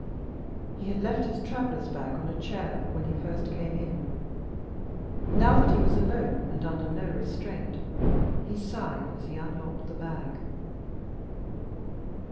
He had left his travelers' bag on a chair, when he first came in. Now that he was alone, and under no restraint, he sighed as he unlocked the bag.